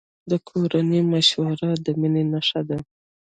د کورنۍ مشوره د مینې نښه ده.